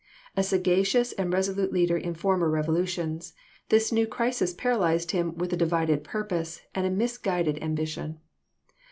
A sagacious and resolute leader in former revolutions, this new crisis paralyzed him with a divided purpose and a misguided ambition.